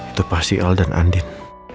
itu pasti al dan adit